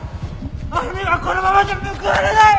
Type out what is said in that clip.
歩美がこのままじゃむくわれない！